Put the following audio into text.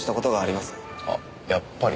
あっやっぱり。